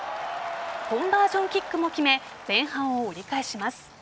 コンバージョンキックも決め前半を折り返します。